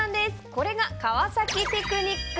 これが川崎テクニック。